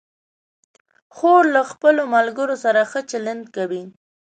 خور له خپلو ملګرو سره ښه چلند کوي.